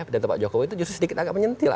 dan pak jokowi itu justru sedikit agak menyentil